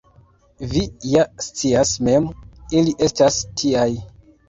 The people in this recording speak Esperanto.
Vi ja scias mem, ili estas tiaj.